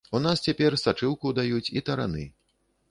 У нас цяпер сачыўку даюць і тараны.